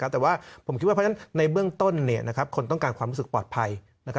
แต่ว่าผมคิดว่าเพราะฉะนั้นในเบื้องต้นคนต้องการความรู้สึกปลอดภัย